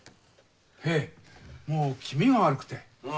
へぇもう気味が悪くて。